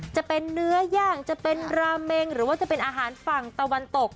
จะเป็นเนื้อย่างจะเป็นราเมงหรือว่าจะเป็นอาหารฝั่งตะวันตก